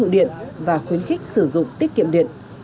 điện và khuyến khích sử dụng tiết kiệm điện